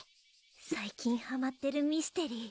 最近ハマってるミステリー